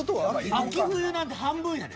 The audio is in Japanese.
秋冬なんて半分やで。